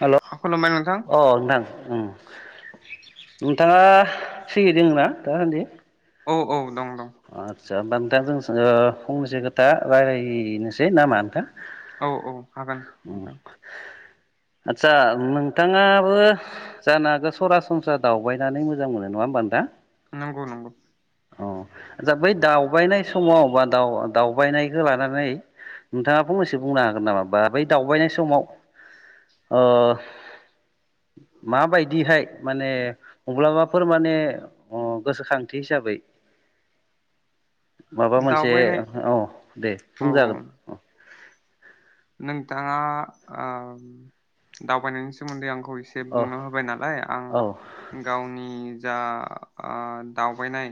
Hello खुलुमबाय नोंथां अ नोंथां ओम। नोंथाङा फ्रियै दंना दाासान्दि। औ-औ दं। दं आस्सा होमबा नोंथां जों फंनैसो खोथा रायज्लायनोसै नामा नोंथां। औ-औ हागोन उम नोंथां। आदसा नोंथाङाबो जानो हागौ सरासनस्रा दावबायनानै मोजां मोनो नङा होमबा नोंथां। नंगौ-नंगौ। आ बै दावबायनाय समाव बा दावबायनायखौ लानानै नोंथाङा फंनैसे बुंनो हागोन नामा बा बै दावबायनाय समाव ओ माबायदिहाय माने म्लाबाफोर माने गोसोखांथि हिसाबै? माबा मोनसे दावबायनाय औ दे बुं औ जागोन औ नोंथाङा ओम दावबायनायनि सोमोन्दै आंखौ खौ इसे औ बुंनो होबाय नालाय आं औ गावनि जा ओ दावबायनाय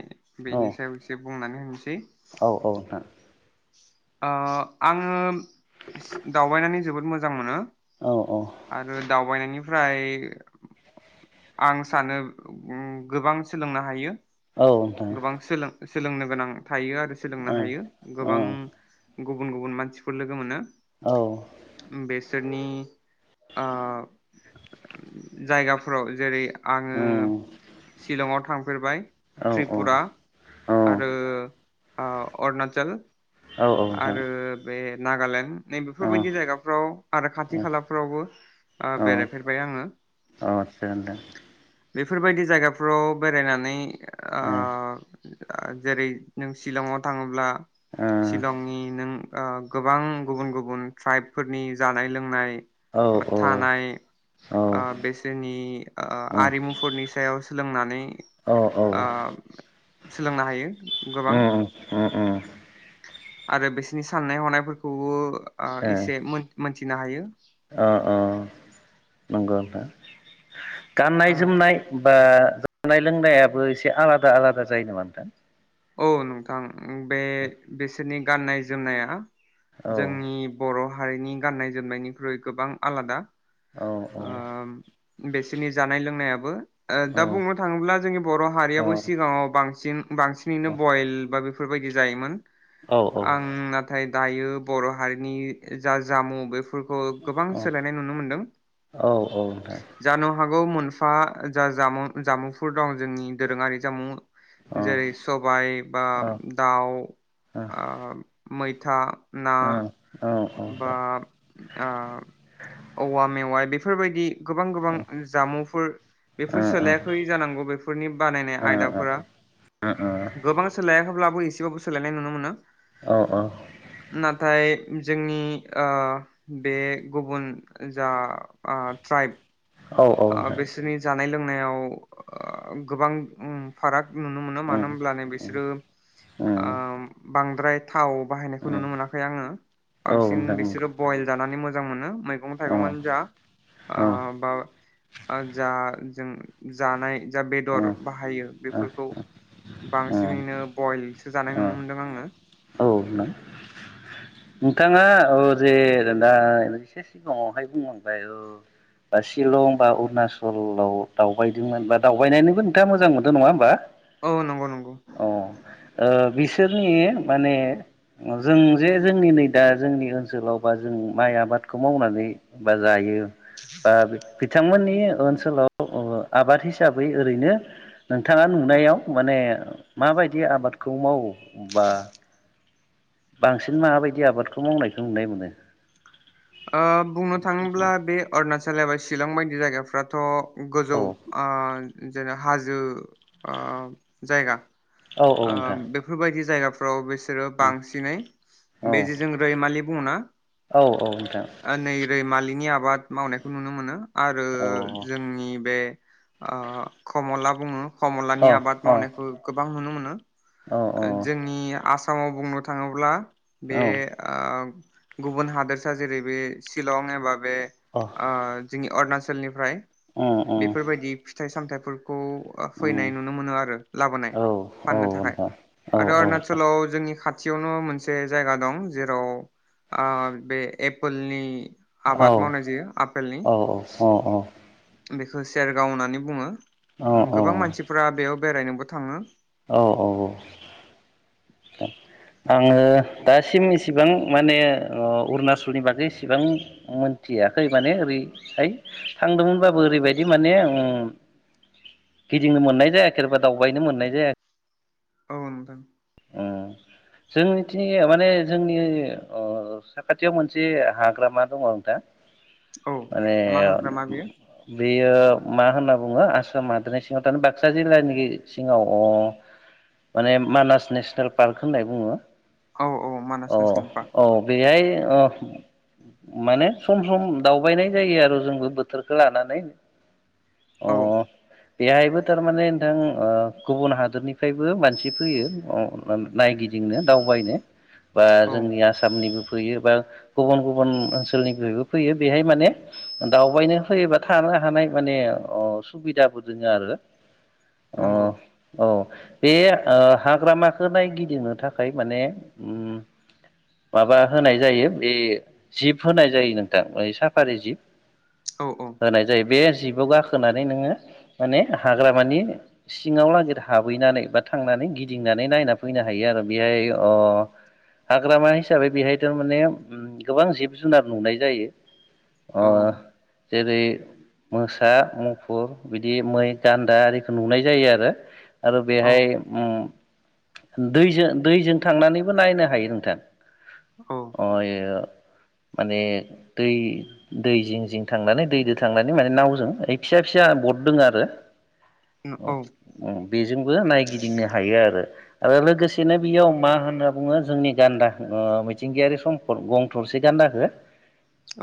औ बेनि सायाव एसे बुंनानै होनोसै औ नोंथां अ आङो दावबायनानै जोबोद मोजां मोनो औ औ आरो दावबायनायनि फ्राय आं सानो उम गोबां सोलोंनो हायो। औ नोंथां गोबां सोलों सोलोंनो गोनां थायो आरो सोलोंनो ओ हायो ओ गोबां गुबुन गुबुन मानसिफोर लोगो मोनो औ बिसोरनि ओ जायगाफो राव जेरै आङो उम सिलंआव थां थांफेरबाय औ त्रिपुरा औ आरो ओ अरुणाचल औ नोंथां आरो बे नागालेण्ड नै औ बेफोरबायदि जायगाफ्राव आरो खाथि औ खालाफ्रावबो ओ औ बेरायफेरबाय आङो आदसा नोंथां ओ औ बेफोरबायदि जायगाफ्राव बेरायनानै ओ ओं जेरै नों शिलंआव थाङोब्ला शिलंनि नों ओ गोबां गुबुन गुबुन ट्राइबफोरनि जानाय लोंनाय बा थानाय ओ उम बिसोरनि ओ आरिमुफोरनि सायाव सोलोंनानै आ सोलोंनो हायो उम उम उम आरो बिसोरनि साननाय हनायफोरखौबो ओ इसे मोन मोन थिनो हायो अ अ नंगो नोंथां गाननाय ओ जोमनाय बा जानाय लोंनायाबो एसे आलादा आलादा जायोनो मोथो। औ नोंथां बे बिसोरनि गाननाय जोमनाया औ जोंनि बर' माहारिनि गाननाय जोमनायनिख्रुइ गोबां आलादा औ आ औ बेस सिनि जानाय लोंनायाबो ओ औ नोंथां औ नोंथां उम औ नोंथां औ उम दा बुंनो थाङोब्ला जोंनि बर' हारियाबो सिगाङाव बांसिन बांसिन बइल बा बेफोरबायदि जायोमोन। आं नाथाय दायो बर' हारिनि जा जामुं बे फोरखौ गोबां सोलायनाय नुनो मोन्दों जानो हाग गौ मोनफा जा जामुं जामुंफोर दं जोंनि दोरोङारि जामुं जेरै सबाय बा दाउ ओ मै था ना बा आ औवा मेवाय बे बेफोरबायदि गोबां गोबां जामुंफोर बेफोर सोलायाखै जानांगौ बेफोरनि बानायनाय आयदाफोरा गोबां सैलायाखै ब्लाबो एसेब्लाबो सोलायनाय नुनो मोनो नाथाय जोंनि ओ बे गुबुन जा ओ ट्राइब उम औ ओ बेसनि जा जानाय लोंनायाव ओ गोबां ओम फाराग नुनो मोनो मानो होनब्लानो बिसोरो ओम बांद्राय थाव बाहायनायखौ नुनो मोनाखै आङो बांसिन बिसोरो बयल जानानै मोज मोजां मोनो मैगं थाइगंयानो जा बा जा जों जानाय जा बेदर बाहायो बेफोरखौ बांसिनैनो बयल सो जानाय नुनो मोनदों आङो हनाय नोंथाङा औ जे दा एसे सिगाङावहाय बुंलांबाय औ बा सिशिलं बा अरुणाचलाव दावबायदोंमोन बा दावबायनायनिबो नोंथाङा मोजां मोनदों नङा होमबा औ नंगौ नंगौ अ आ बिस बिसोरनि माने जों जे जोंनि नै दा जोंनि ओनसोलाव बा जों माइ आबादखौ मावनानै बा जायो बा बिथांमोननि ओनसोलाव आबाद हिसाबै ओरैनो नोंथाङा नुनायाव माने माबायदि आबादखौ मावो बा बांसिन बिसिन माबायदि आबादखौ मावनायखौ नुनाय मोनो बुंनो थाङोब्ला बे अरुणचल सालायबबाय शलं बायदि जायगफोर फ्राथ' गोजौ औ जेनेब हाजो जायगा औ औ नोंथां बेफोरबायदि जायगा बिस बिसोरो बांसिनै औ बे जे जों रैमालि बुङ ना औ औ नोंथां नै रैमालिनि आबाद मावनायखौ नुनो मोनो आरो औ जोंनि बे कमला बुङो औ हमलानि आबाद औ मावनायखौ गोबां नुनो मोनो औ हा औ जोंनि आसाम आसामाव बुंनो थाङोब्ला बे गुबुन हादोरसा जेरै बे शिलं एबा नि ओ जोंनि अरनासल ओनसोलनिफ्राय अ अ बेफोरबायदि फिथाइ सामथाय खौ अ फैनाय नुनो मोनो आरो लाबोनाय औ औ फाननो थाखाय नोंथां औ आरो औ अरनासलाव जों आंनि खाथियावनो मोनसे जायगा दं जेराव बे एपोलनि औ आबाद मावनाय जायो आपेलनि औ औ औ औ बेखौ सयेर गाव होननानै बुङो औ गोबां मानसिफोरा बेयाव बेरायनोबो थाङो औ औ औ आङो दासिम इसेबां माने ओ अरुणासलनि बागै इसेबां मोनथियाखै माने ओरैहाय थांदोंमोनबाबो ओरैबायदि माने गिदिंनो मोननाय जायाखैबा दावबायनो मोननाय जायाखै अ नोंथां ओ जोंनिथि माने जोंनि ओ साखाथियाव मोनसे हाग्रामा दङ नोंथा औ माने मा हाग्रामा बेयो बेयो मा होनना बुङो आसाम हादरनि सिङाव थानाय बाक्सा जिल्लानि सिङाव अ माने मानास नेसनेल पार्क होननाय बुङो औ औ मानास अ नेसनेल पार्क औ बेहाय ओ माने सम सम दावबायनाय जायो आरो जोंबो बोथोरखो लानानै अ औ बेहायबो थारमाने नोंथां गुबुन हादरनिफ्रायबो मानसि फैयो अ नायगिदिंनो दावबायनो बा औ जोंनि आसामनिबो फैयो बा गुबुन गुबुन ओनसोलनिफ्रायबो फैयो बेहाय माने दावबायनो फैयोबा थानो हानाय माने अ‌ सुबिदाबो दोङो आरो अ नंगौ औ बे ओ‌‌ हाब हाग्रामाखौ नायगिदिंनो थाखाय माने‌‌ उम माबा होनाय जायो बे जिब होनाय जायो नोंथां साफारि जिब औ औ होनाय जायो बे जिब याव गाखोनानै नोङो माने हाग्रामानि सिङाव लागेर हाबहैनानै बा थांनानै गि गिदिंनानै नायना फैनो हायो आरो बेहाय अ हाग्रामा हिसाबै बेहाय थारमाने गोबां जिब जुनार नुनाय जायो अ औ जेरै मोसा मुफुर बिदि मै गान्दा आरिखौ नुनाय जायो आरो आरो औ बेहाय उम दैजो दैजों थांनानैबो नायनो हायो नोंथां अ औ इयो माने दै दै जिं जिं थांनानै दैदो थांनानै माने नावजों ओ फिसा फिसा बट दोङो आरो औ औ उम बेजोंबो नायगिदिंनो हायो आरो आरो लोगोसेनो बेयाव मा होनना बुङो जोंनि गान्दा ओ मिथिंगायारि सम्फद गं थरसे गान्दाखो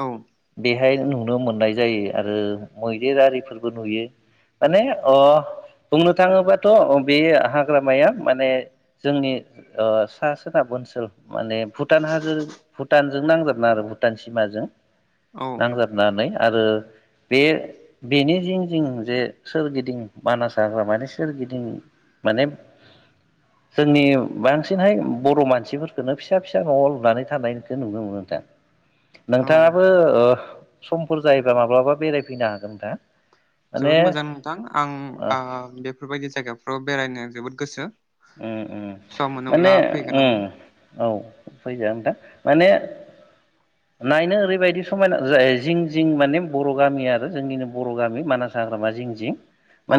औ बेहाय नुनो मोननाय जायो आरो मैदेर आरिफोरबो नुयो माने अ बुंनो थाङोबाथ‌ बे हाग्रामाया माने जोंनि ओ सा सोनाब ओनसोल माने भुटान हाजो भुटानजों नांजाबना आरो भुटान सिमाजों औ नांजाबनानै आरो बे बेनि जिं जिं जे सोरगिदिं मानास हाग्राामानि सोरगिदिं माने जोंनि बांसिनहाय बर मानसिफोरखोनो फिसा फिसा न लुनानै थानायखो नुनो मोनो नोंथां औ नोंथाङाबो ओ समफोर जायोबा माब्लाबा बेरायफैनो हागोन दा जोबोद मोजां नोंथां आं आ बेफोरबायदि जायगाफ्राव बेरायनो जोबोद गोसो अम अम सम मोनोब्ला माने‌ फैगोन आं अम औ फैजागोन‌ नोंथां माने नायनो ओरैबायदि समायना जायो जिं-जिं माने बर गामि आरो जोंनिनो बर गामि मानास हाग्रामा जिं-जिं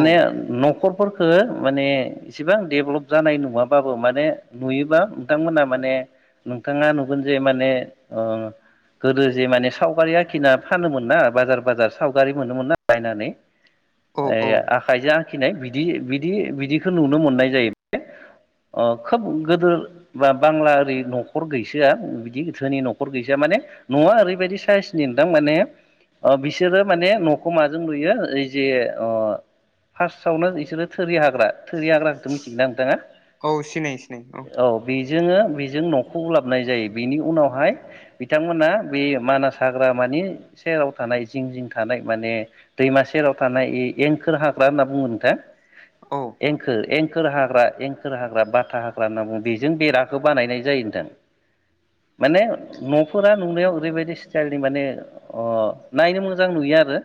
औ न न'खरफोरखो माने इसेबां डेभलप जानाय नुङाबाबो माने नुयोबा नोंथांमोना माने नोंथाङा नुगोन जे माने ओ गोदो जे माने सावगारि आखिना फानोमोन ना बाजार-बाजार सावगारि मोनोमोन ना बायनानै। औ ए औ आखायजों आखिनाय बिदि बिदि-बिदिखौ नुनो मोननाय जायो। अ खोब गोदोर बा बांला ओरै न'खर गैसोआ बिदिधोनि न'खर गैसोआ माने न'आ ओरैबायदि साइसनि नोंथां माने अ बिसोरो माने न'खौ माजों लुयो ओइ जे अ फार्स्टआवनो बिसोरो थोरि हाग्रा थोरि हाग्राखौथ' मिथि दा नोंथाङा औ सिनायो-सिनायो औ। बेजों न'खौ उलाबनाय जायो बेनि उनावहाय बिथांमोना बे मानास हाग्रामानि सेराव थानाय जिं-जिं थानाय माने दैमा सेराव थानाय ए एंखोर हाग्रा होनना बुंङो नोंथां औ एंखोर एं एंखोर हाग्रा-एंखोर हाग्रा बाथा हाग्रा होनना बुङो बेजों बेराखौ बानायनाय जायो नोंथां माने न'फोरा नुनायाव ओरैबायदि स्टाइलनि माने अ नायनो मोजां नुयो आरो।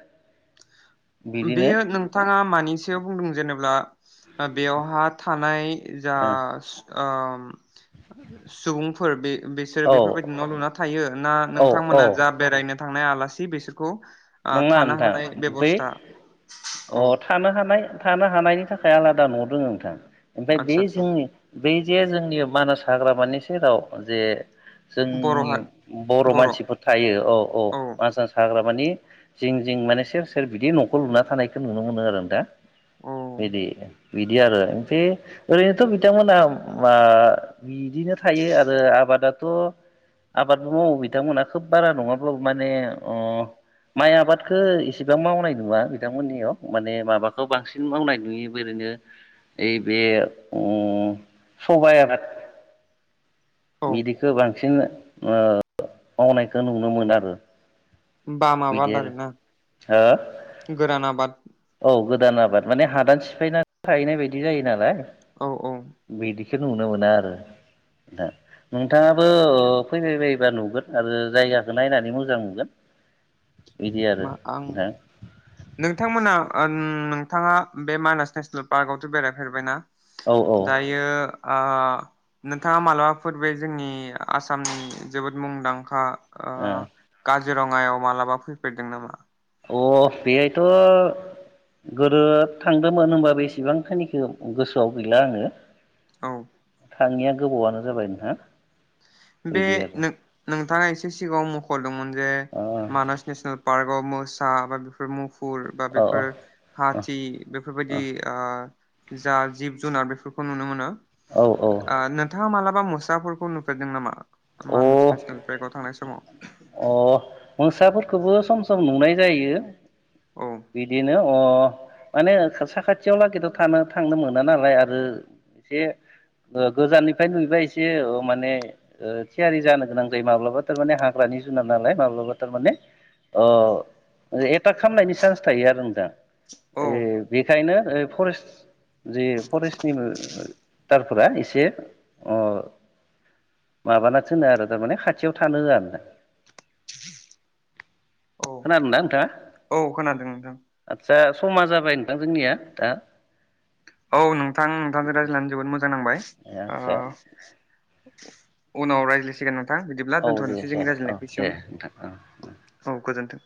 बिदिनो बेयो नोंथाङा मानिसायाव बुंदों जेनेब्ला बेवहा थानाय जास ओ सुबुंफोर बे बिसोरो ओ बेफोरबायदि न' लुना थायो ना औ औ औ नोंथांमोना जा बेरायनो थांनाय आलासि बेसोरखौ नङा नोंथां बै औ अ थानो हानाय थानो हानायनि थाखाय आलादा न'दोङो नोंथां। ओमफाय बे आदसा आदसा जोंनि बै जे जोंनि मानास हाग्रामानि सेराव जे बर' हा जोंनि बर' मानसिफोर थायो औ औ पासा हाग्रा मानि जिं जिं माने सेर सेर बिदि न'खौ लुना थानायखौ नुनो मोनो आरो दा। बिदि बिदि आरो ओमफ्राय ओरैनोथ' बिथांमोना मा बिदिनो थायो आरो आबादा थ' आबादबो मावो बिथांमोनहा खोब बारा नङाब्लाबो माने अ माइ आबादखौ इसेबां मावनाय नङा बिथांमोननियाव माने माबाखौ बांसिन मावनाय नुयो ओरैनो ओइ बे उम सबाइ आबाद औ बिदिखो बांसिन ओ मावनायखौ नुनो मोनो आरो। बा माबा आबाद आरो ना हो गोरान आबाद। दान आबाद माने हादान सिफायनानै थाहैनाय बायदि जायो नालाय औ- औ बेखौ नुनो मोना आरो नोंथा नोंथाङाबो फैबाय बायबा नुगोन आरो जायगाखौ नायनानै मोजां नुगोन। बिदि आरो मा आं नोंथां नोंथांमोना ओ उम नोंथाङा बे मानास नेसनेल पार्कआवथ' बेरायफेरबायना। औ औ दायो आ नोंथाङा मालाबाफोर बे जोंनि आसामनि जोबोद मुंदांखा आ काजिरङायाव मालाबा फैफेरदों नामा? अ बेहायथ' गोदो थांदोंमोन होनबा बे एसेबांखिनिखौ गोसोआव गैला आङो औ थाङिया गोबावानो जाबाय नोंथां बे बिदि आरो नोंथाङा एसे सिगाङाव मख'दोंमोन जे अ मानास नेसनेल पार्कआव [inaudible] गुफुर बा औ बेफोर हाथि बेफोरबायदि जा जिब जुनार बेफोरखौ नुनो मोनो औ औ आ नोंथांया मालाब बा मुसाफोरखौ नुफेरदों नामा? अ मानास नेसनेल पार्कआव थांनाय समाव अ मोसाफोरखौबो सम सम नुनाय जायो। औ बिदिनो अ माने साखाथियाव लागैथ' थानो थांनो मोना नालाय आरो एसे गोजाननिफ्राय नुयोबा एसे माने थियारि जानो गोनां जायो माब्लाबा थारमाने ह हाग्रानि जुनार नालाय माब्लाबा थारमाने एटाक खालामनायनि चान्स थायो आरो नोंथां औ बेखायनो फरेस्ट फरेस्टनिबो भरेस्टारफोरा एसे माबाना थिनो आरो थारमाने खाथियाव थानो होआ औ खोनादोंना नोंथाङा? औ खोनादों नोंथां समा जाबाय नोंथां जोंनिया दा औ नोंथां नोंथांजों रायज्लायनानै जोबोद मोजां नांबाय। अ आदसा उनाव राइज्लायसिगोन ओं नोंथां बिदिब्ला औ दे दोनथ'नोसै जोंनि सार औ रायज्लानायखौ दे नोंथां औ एसेयावनो औ गोजोनथों।